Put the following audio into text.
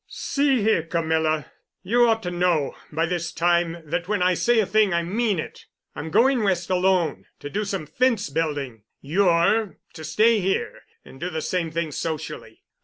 "See here, Camilla. You ought to know, by this time that when I say a thing I mean it. I'm going West alone to do some fence building. You're to stay here and do the same thing—socially.